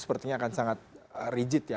sepertinya akan sangat rigid ya